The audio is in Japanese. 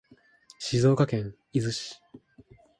静岡県伊豆市